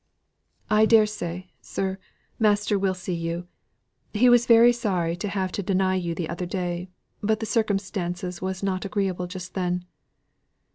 "I dare say, sir, master will see you. He was very sorry to have to deny you the other day; but circumstances was not agreeable just then."